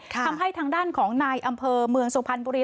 ทำให้ทางด้านของในอำเภอเมืองสุพรรณบุรี